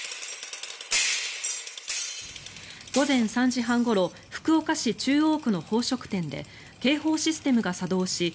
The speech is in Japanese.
午前３時半ごろ福岡市中央区の宝飾店で警報システムが作動し１１０